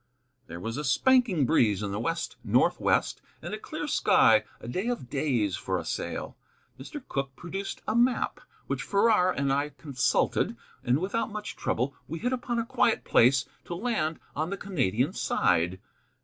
There was a spanking breeze in the west northwest, and a clear sky, a day of days for a sail. Mr. Cooke produced a map, which Farrar and I consulted, and without much trouble we hit upon a quiet place to land on the Canadian side.